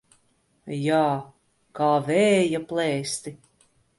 Jā, kā vēja plēsti.